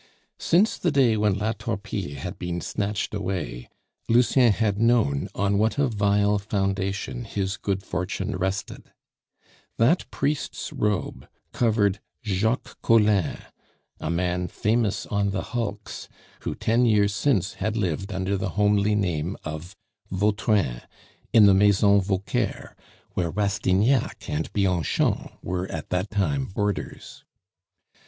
Since the day when La Torpille had been snatched away, Lucien had known on what a vile foundation his good fortune rested. That priest's robe covered Jacques Collin, a man famous on the hulks, who ten years since had lived under the homely name of Vautrin in the Maison Vauquer, where Rastignac and Bianchon were at that time boarders.